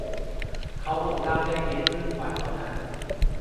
เขาอดเหล้าได้เพียงครึ่งวันเท่านั้น